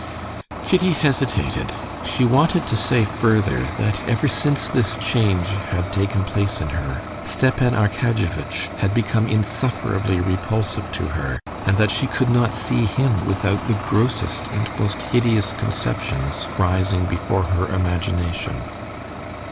Kitty hesitated; she wanted to say further that ever since this change had taken place in her, Stepan Arkadyevitch had become insufferably repulsive to her, and that she could not see him without the grossest and most hideous conceptions rising before her imagination.